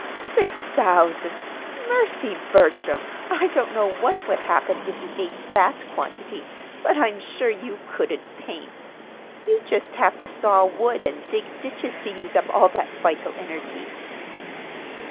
"Six thousand! Mercy! Bertram, I don't know what would happen if you ate that quantity; but I'm sure you couldn't paint. You'd just have to saw wood and dig ditches to use up all that vital energy."